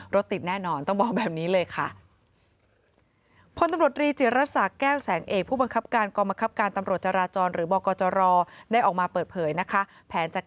รถติดแน่นอนต้องบอกแบบนี้เลยค่ะ